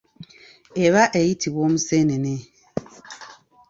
Eba eyitibwa omusenene.